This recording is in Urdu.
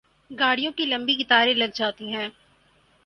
گاڑیوں کی لمبی قطاریں لگ جاتی ہیں۔